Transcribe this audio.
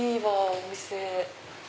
お店。